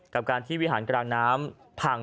กับการที่วิหารกลางน้ำพัง